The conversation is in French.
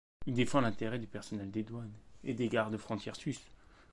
Il défend les intérêts du personnel des douanes et des gardes-frontière suisses.